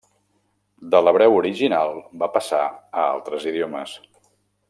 De l'hebreu original va passar a altres idiomes.